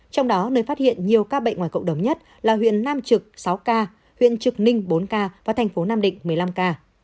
trong đó nơi phát hiện nhiều ca bệnh ngoài cộng đồng nhất là huyện nam trực sáu ca huyện trực ninh bốn ca và thành phố nam định một mươi năm ca